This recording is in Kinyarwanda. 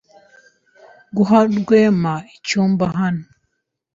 Guha Rwema icyumba hano.